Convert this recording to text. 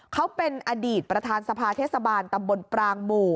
เขาเป็นอดีตประธานสภาเทศบาลตำบลปรางหมู่